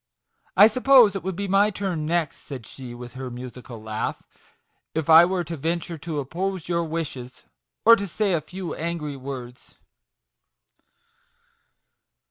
I suppose it would be my turn next," said she, with her musical laugh, " if I were to venture to oppose your wishes, or to say a few angry words."